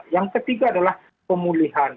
yang ketiga adalah pemulihan